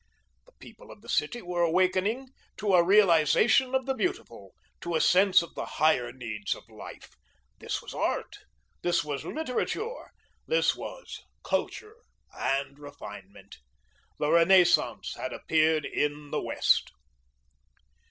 The people of the city were awakening to a Realisation of the Beautiful, to a sense of the higher needs of life. This was Art, this was Literature, this was Culture and Refinement. The Renaissance had appeared in the West.